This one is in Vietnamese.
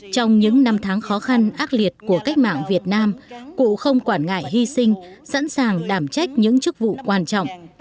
trong những năm tháng khó khăn ác liệt của cách mạng việt nam cụ không quản ngại hy sinh sẵn sàng đảm trách những chức vụ quan trọng